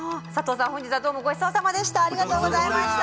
本日はどうもごちそうさまでした。